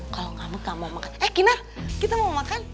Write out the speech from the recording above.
kalo ngambek ga mau makan eh kinar kita mau makan